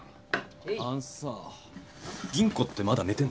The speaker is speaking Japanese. あのさ吟子ってまだ寝てんの？